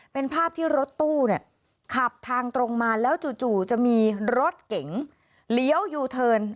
เป็นภาพที่รถตู้เนี่ยขับทางตรงมาแล้วจู่จะมีรถเก๋งเลี้ยวยูเทิร์น